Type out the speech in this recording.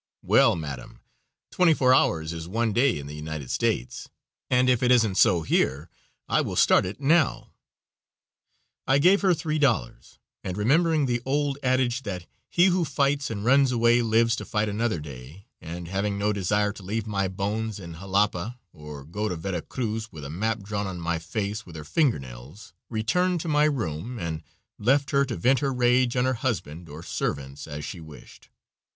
"Well, madame, twenty four hours is one day in the United States, and if it isn't so here, I will start it now." I gave her three dollars; and, remembering the old adage that "he who fights and runs away lives to fight another day," and having no desire to leave my bones in Jalapa or go to Vera Cruz with a map drawn on my face with her fingernails, returned to my room and left her to vent her rage on her husband or servants, as she wished.